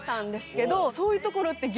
そういうところって。